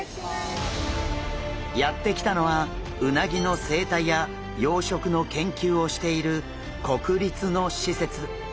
やって来たのはうなぎの生態や養殖の研究をしている国立の施設。